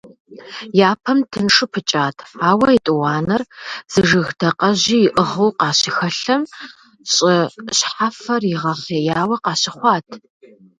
Япэм тыншу пыкӀат, ауэ етӀуанэр зы жыг дакъэжьи иӀыгъыу къащыхэлъэм, щӀы щхьэфэр игъэхъеяуэ къащыхъуат.